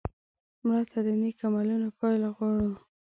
مړه ته د نیک عملونو پایله غواړو